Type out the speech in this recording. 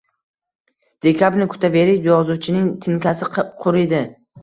Dekabrni kutaverib yozuvchining tinkasi quriydi